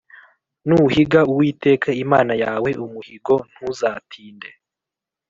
Nuhiga Uwiteka Imana yawe umuhigo ntuzatinde